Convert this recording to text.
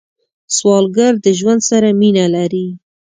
سوالګر د ژوند سره مینه لري